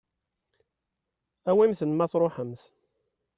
Awimt-ten ma tṛuḥemt.